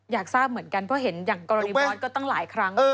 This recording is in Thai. อยากทราบเหมือนกันเพราะเห็นอย่างกรณีบอสก็ตั้งหลายครั้ง